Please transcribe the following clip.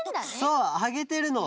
そうあげてるの。